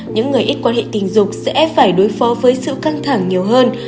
những người ít quan hệ tình dục sẽ phải đối phó với sự căng thẳng nhiều hơn